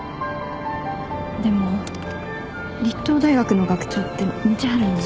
でも立東大学の学長って道春の。